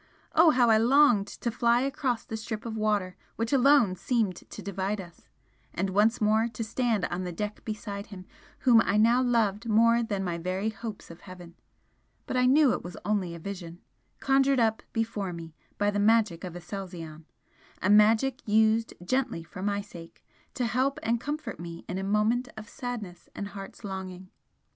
Oh, how I longed to fly across the strip of water which alone seemed to divide us! and once more to stand on the deck beside him whom I now loved more than my very hopes of heaven! But I knew it was only a vision conjured up before me by the magic of Aselzion, a magic used gently for my sake, to help and comfort me in a moment of sadness and heart's longing.